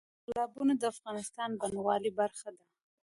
تالابونه د افغانستان د بڼوالۍ برخه ده.